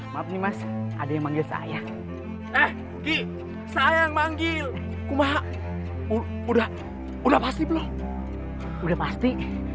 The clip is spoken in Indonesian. maaf nih mas ada yang manggil saya eh di sayang manggil kumaha udah udah pasti belum udah pasti